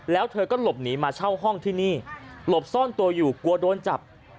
แล้วเธอก็หลบหนีมาเช่าห้องที่นี่หลบซ่อนตัวอยู่กลัวโดนจับ